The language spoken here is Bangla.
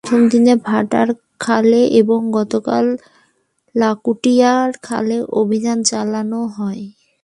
প্রথম দিনে ভাটার খালে এবং গতকাল লাকুটিয়া খালে অভিযান চালানো হয়।